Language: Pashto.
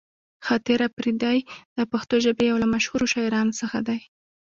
خاطر اپريدی د پښتو ژبې يو له مشهورو شاعرانو څخه دې.